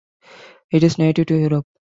It is native to Europe.